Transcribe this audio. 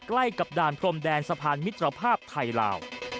ใกล้กับด่านพรมแดนสะพานมิตรภาพไทยลาว